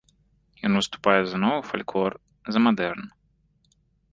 Ён выступае за новы фальклор, за мадэрн.